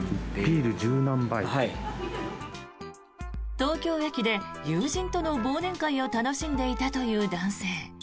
東京駅で友人との忘年会を楽しんでいたという男性。